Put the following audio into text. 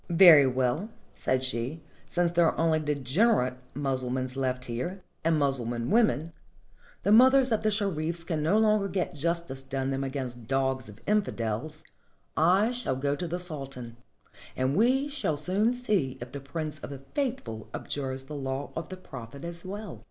"Very well," said she; "since there are only degenerate Mussulmans left here, and Mussulman women, the 320 MOROCCO LAW mothers of the Sherifs can no longer get justice done them against dogs of infidels, I shall go to the Sultan, and we will soon see if the Prince of the Faithful abjures the law of the Prophet as well."